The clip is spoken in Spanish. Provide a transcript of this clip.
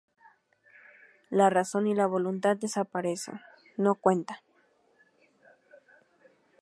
La razón y la voluntad desaparecen, no cuentan.